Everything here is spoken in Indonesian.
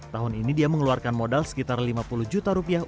tahun ini dia mengeluarkan modal sekitar lima puluh juta rupiah